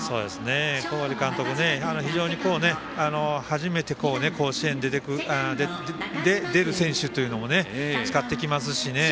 小針監督、初めて甲子園出る選手というのも使ってきますしね。